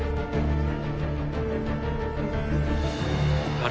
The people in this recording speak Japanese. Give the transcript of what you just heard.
あれ？